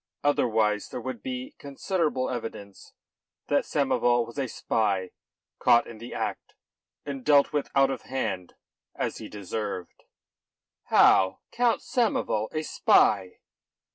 Otherwise there would be considerable evidence that Samoval was a spy caught in the act and dealt with out of hand as he deserved." "How? Count Samoval a spy?"